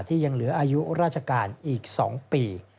ยังเหลืออายุราชการอีก๒ปี